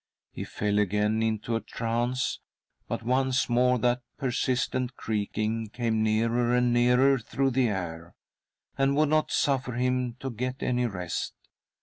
He fell again into a trance — but once more that persistent creaking came nearer and nearer through the air, and would not suffer him to get any rest.